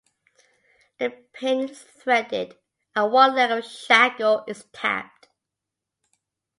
The pin is threaded and one leg of the shackle is tapped.